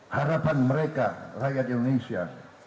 harapan mereka rakyat indonesia